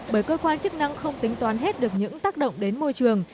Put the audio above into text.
bởi cơ quan chức năng không tính toán hết được những tác động đến môi trường